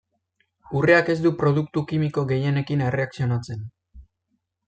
Urreak ez du produktu kimiko gehienekin erreakzionatzen.